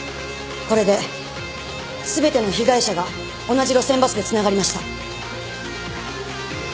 これで全ての被害者が同じ路線バスでつながりました。